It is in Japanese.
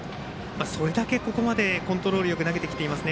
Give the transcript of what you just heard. それだけ、ここまでコントロールよく投げてきています。